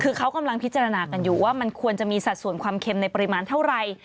คือเขากำลังพิจารณากันอยู่ว่ามันควรจะมีสัดส่วนความเค็มในปริมาณเท่าไหร่